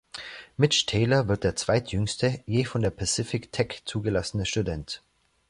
Mitch Taylor wird der zweitjüngste je von der Pacific Tech zugelassene Student.